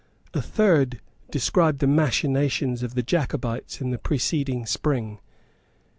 A third described the machinations of the Jacobites in the preceding spring.